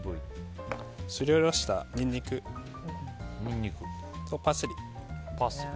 すりおろしたニンニク、パセリ。